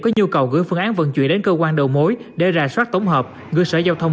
có nhu cầu gửi phương án vận chuyển đến cơ quan đầu mối để rà soát tổng hợp gửi sở giao thông